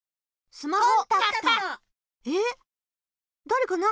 スマホ！